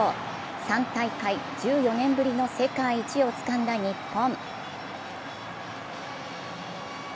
３大会１４年ぶりの世界一をつかんだ日本。